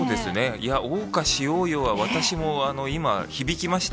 いや、おう歌しようよは、私も今、響きました。